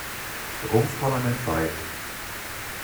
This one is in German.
Rumpfparlament bei.